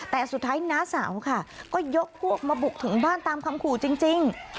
แต่สุดท้ายน้าสาวค่ะก็ยกพวกมาบุกถึงบ้านตามคำขู่จริง